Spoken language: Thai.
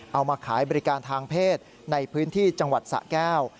เอามาขายบริการทางเพศในพื้นที่จังหวัดสะแก้ว